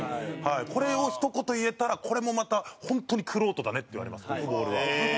これを、ひと言、言えたらこれもまた、本当に玄人だねって言われます。